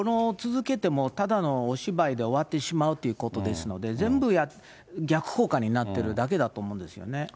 続けてもただのお芝居で終わってしまうということですので、全部、逆効果になってるだけだと思うんですよね。